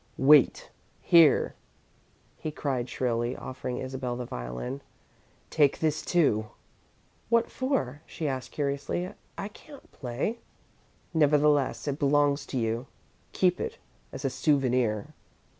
"Wait!" "Here," he cried shrilly, offering Isabel the violin. "Take this, too!" "What for?" she asked, curiously. "I can't play." "Nevertheless, it belongs to you. Keep it, as a souvenir!"